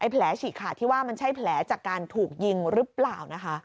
แผลฉีกขาดที่ว่ามันใช่แผลจากการถูกยิงหรือเปล่านะคะ